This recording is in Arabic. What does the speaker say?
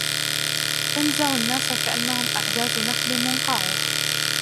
تنزع الناس كأنهم أعجاز نخل منقعر